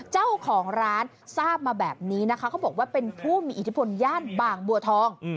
เจ้าของร้านทราบมาแบบนี้นะคะเขาบอกว่าเป็นผู้มีอิทธิพลย่านบางบัวทอง